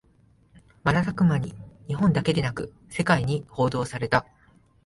瞬く間に日本だけでなく世界に報道された